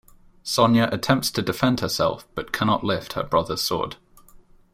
Sonja attempts to defend herself, but can not lift her brother's sword.